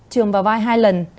trường vào vai hai lần